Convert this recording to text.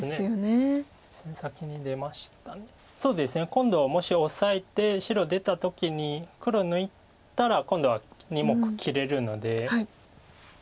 今度もしオサえて白出た時に黒抜いたら今度は２目切れるので。